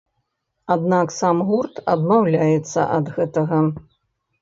Аднак сам гурт адмаўляецца ад гэтага.